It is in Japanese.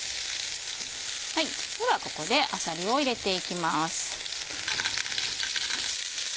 ではここであさりを入れていきます。